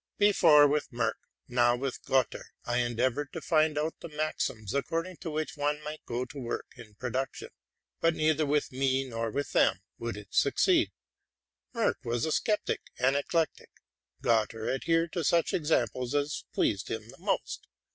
As previously with Merck, so now sometimes with Gotter, I endeavored to find out the maxims according to which one might go to work in produc tion. But neither with me nor with them would it sueceed. Merck was a sceptic and eclectic: Gotter adhered to such examples as pleased him most.